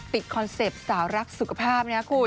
ติดคอนเซ็ปต์สารักษณ์สุขภาพนะคุณ